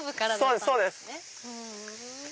そうですそうです。